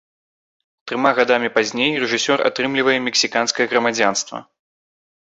Трыма гадамі пазней рэжысёр атрымлівае мексіканскае грамадзянства.